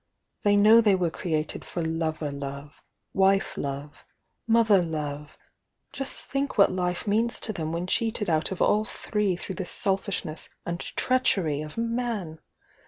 They know they were created for lover love, wife love mothw love. just think what life means toTem Then ?S!f °"S°^ ^" three through the selfishTess S treachery of man!